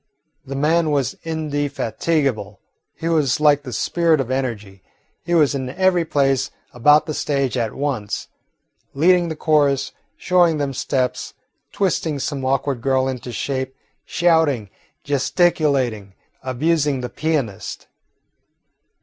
The man was indefatigable. He was like the spirit of energy. He was in every place about the stage at once, leading the chorus, showing them steps, twisting some awkward girl into shape, shouting, gesticulating, abusing the pianist.